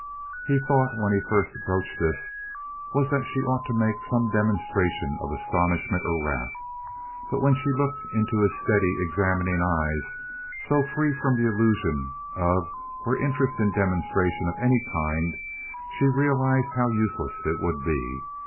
Her thought, when he first broached this, was that she ought to make some demonstration of astonishment or wrath: but when she looked into his steady, examining eyes, so free from the illusion of or interest in demonstrations of any kind, she realized how useless it would be.